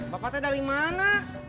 bapak t dari mana